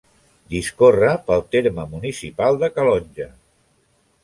Discorre pel terme municipal de Calonge.